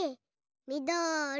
みどり！